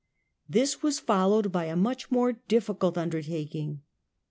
This was followed by a much more difficult under The aking.